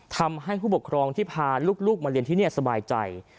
ทำให้ผู้ปกครองที่พาลูกมาเรียนที่นี่สบายใจ